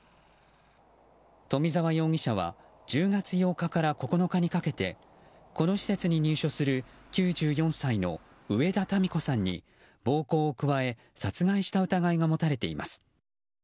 冨澤容疑者は１０月８日から９日にかけてこの施設に入所する９４歳の植田タミ子さんに暴行を加え殺害した疑いが持たれています。